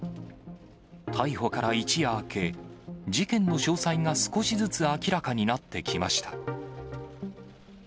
逮捕から一夜明け、事件の詳細が少しずつ明らかになってきました。